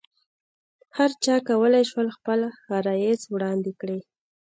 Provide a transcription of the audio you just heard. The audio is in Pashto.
هرچا کولای شول خپل عرایض وړاندې کړي.